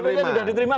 sbdp sudah diterima